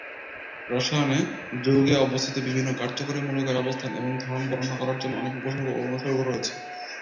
রসায়নে, যৌগে অবস্থিত বিভিন্ন কার্যকরী মূলকের অবস্থান এবং ধরন বর্ণনা করার জন্য অনেক উপসর্গ ও অনুসর্গ রয়েছে।